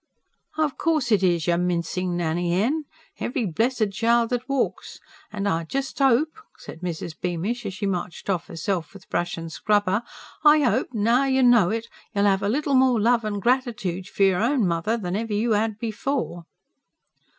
"Of course it is, you mincing Nanny hen! every blessed child that walks. And I just 'ope," said Mrs. Beamish, as she marched off herself with brush and scrubber: "I 'ope, now you know it, you'll 'ave a little more love and gratitoode for your own mother than ever you 'ad before."